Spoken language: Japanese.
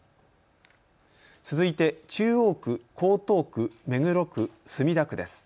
続いて中央区、江東区、目黒区、墨田区です。